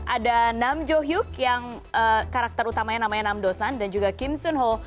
ada nam jo hyuk yang karakter utamanya namanya nam dosan dan juga kim sunho